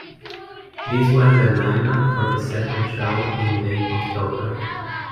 This was the lineup for the second show in late October.